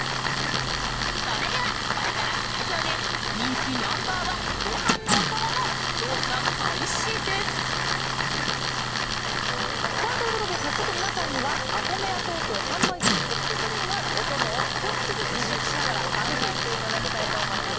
それでは、これからスタジオで人気ナンバー１ご飯のお供の調査開始です！ということで早速、皆さんにはＡＫＯＭＥＹＡＴＯＫＹＯ販売数トップ３のお供をひと口ずつ試食しながら考えていただきたいと思います。